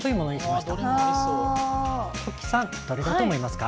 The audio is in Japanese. ときさんどれだと思いますか？